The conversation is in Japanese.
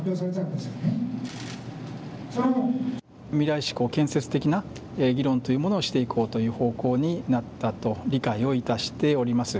未来志向、建設的な議論というものをしていこうという方向になったと理解をしています。